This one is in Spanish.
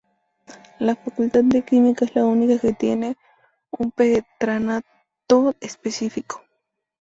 La Facultad de Química es la única que tiene un patronato específico.